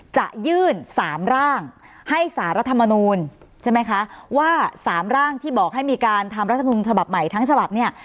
จะยื่นสามร่างให้สารรัฐมนูลใช่ไหมคะว่าสามร่างที่บอกให้มีการทำรัฐมนุนฉบับใหม่ทั้งฉบับเนี่ย